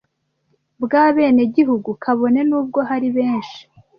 bw’abenegihugu kabone n’ubwo hari benshi